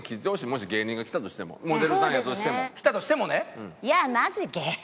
もし芸人が来たとしてもモデルさんやとしても。来たとしてもね。